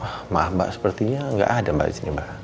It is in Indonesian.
wah maaf mbak sepertinya gak ada mbak disini mbak